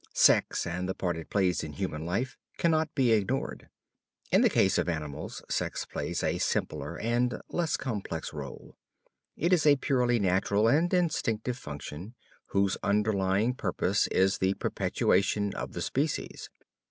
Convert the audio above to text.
Sex and the part it plays in human life cannot be ignored. In the case of animals sex plays a simpler and less complex rôle. It is a purely natural and instinctive function whose underlying purpose is the perpetuation of the species.